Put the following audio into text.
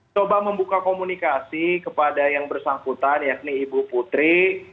coba membuka komunikasi kepada yang bersangkutan yakni ibu putri